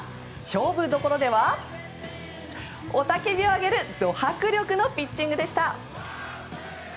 勝負どころでは雄たけびを上げるド迫力のピッチングでした。